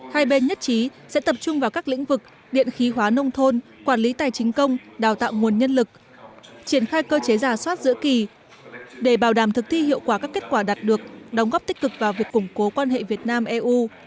hai bên nhất trí sẽ tập trung vào các lĩnh vực điện khí hóa nông thôn quản lý tài chính công đào tạo nguồn nhân lực triển khai cơ chế giả soát giữa kỳ để bảo đảm thực thi hiệu quả các kết quả đạt được đóng góp tích cực vào việc củng cố quan hệ việt nam eu